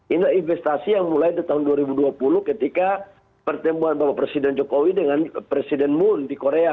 ini adalah investasi yang mulai di tahun dua ribu dua puluh ketika pertemuan bapak presiden jokowi dengan presiden moon di korea